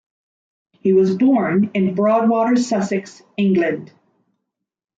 He was born in Broadwater, Sussex, England.